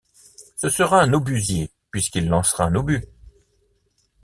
Ce sera un obusier, puisqu’il lancera un obus.